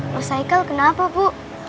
lo cycle kenapa bu